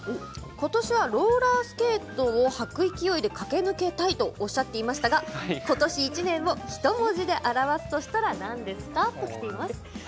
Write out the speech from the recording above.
今年はローラースケートを履く勢いで駆け抜けたいとおっしゃっていましたが今年１年をひと文字で表すとしたら何ですか？ときています。